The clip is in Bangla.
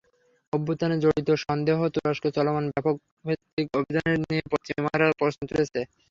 অভ্যুত্থানে জড়িত সন্দেহে তুরস্কে চলমান ব্যাপকভিত্তিক অভিযানের নিয়ে পশ্চিমারা প্রশ্ন তুলেছে।